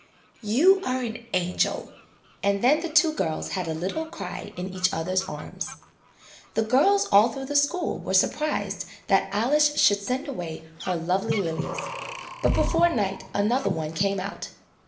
"You are an angel!" And then the two girls had a little cry in each other's arms. The girls all through the school were sur prised that Alice should send away her lovely lilies, but before night another one came out.